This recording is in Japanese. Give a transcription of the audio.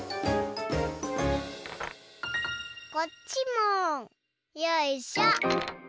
こっちもよいしょ。